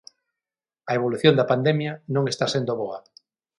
A evolución da pandemia non está sendo boa.